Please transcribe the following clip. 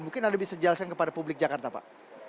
mungkin anda bisa jelaskan kepada publik jakarta pak